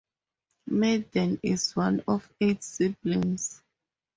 Madden is one of eight siblings.